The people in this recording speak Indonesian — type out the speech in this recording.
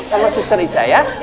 sama suster ica ya